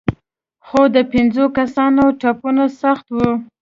خو د پنځو کسانو ټپونه سخت وو.